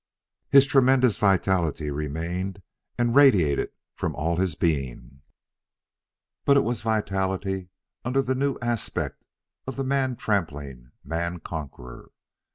His tremendous vitality remained, and radiated from all his being, but it was vitality under the new aspect of the man trampling man conqueror.